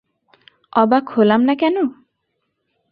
অবাক হলাম না কেন?